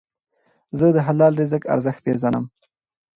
زه د حلال رزق ارزښت پېژنم.